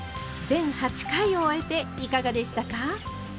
全８回を終えていかがでしたか？